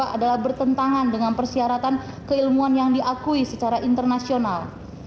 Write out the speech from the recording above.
adalah bertentangan dengan persyaratan keilmuan yang diakui secara internasional